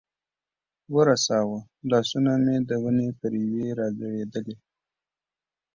ورساوه، لاسونه مې د ونې پر یوې را ځړېدلې.